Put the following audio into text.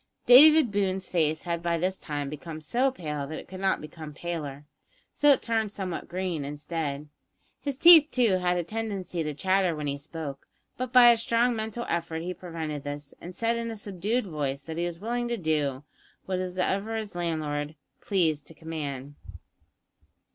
David Boone's face had by this time become so pale that it could not become paler, so it turned somewhat green instead. His teeth, too, had a tendency to chatter when he spoke, but by a strong mental effort he prevented this, and said in a subdued voice that he was willing to do whatever his landlord pleased to command.